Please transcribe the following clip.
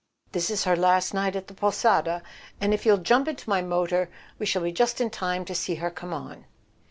This is her last night at the 'Posada,' and if you'll jump into my motor we shall be just in time to see her come on."